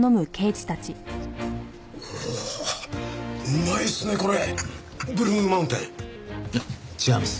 おおうまいっすねこれ。ブルーマウンテン？いや違います。